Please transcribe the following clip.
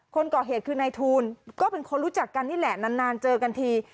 คนก่อเหตุคือนายทูลก็เป็นคนรู้จักกันนี่แหละนานเจอกันที